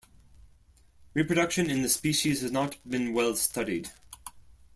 Reproduction in the species has not been well studied.